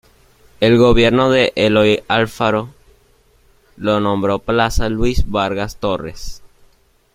El gobierno de Eloy Alfaro lo nombró plaza Luis Vargas Torres.